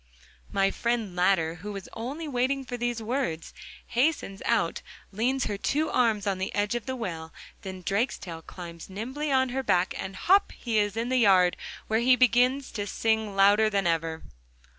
My friend Ladder, who was only waiting for these words, hastens out, leans her two arms on the edge of the well, then Drakestail climbs nimbly on her back, and hop! he is in the yard, where he begins to sing louder than ever.